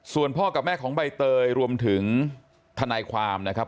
ส่วนพ่อกับแม่ของใบเตยรวมถึงทนายความนะครับ